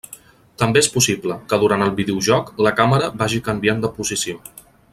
També és possible, que durant el videojoc, la càmera vagi canviant de posició.